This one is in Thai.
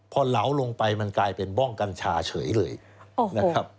พอเหลาลงไปมันกลายเป็นบ้องกัญชาเฉยเลยนะครับ